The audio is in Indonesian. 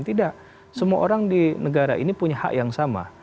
tidak semua orang di negara ini punya hak yang sama